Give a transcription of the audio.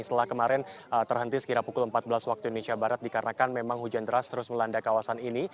setelah kemarin terhenti sekira pukul empat belas waktu indonesia barat dikarenakan memang hujan deras terus melanda kawasan ini